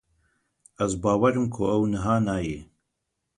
Ez bawerim ku ew niha neyê